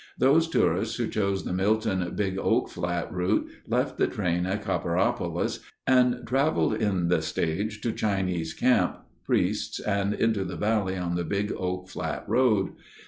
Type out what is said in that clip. Those tourists who chose the Milton Big Oak Flat route left the train at Copperopolis and traveled in the stage to Chinese Camp, Priests, and into the valley on the Big Oak Flat Road.